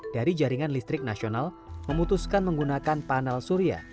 dari jaringan listrik nasional memutuskan menggunakan panel surya